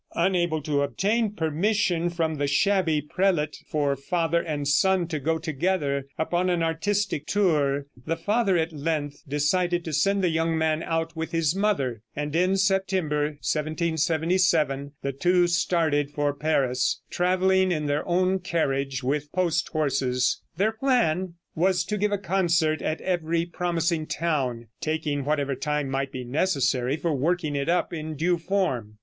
Unable to obtain permission from the shabby prelate for father and son to go together upon an artistic tour, the father at length decided to send the young man out with his mother, and in September, 1777, the two started for Paris, traveling in their own carriage with post horses. Their plan was to give a concert at every promising town, taking whatever time might be necessary for working it up in due form.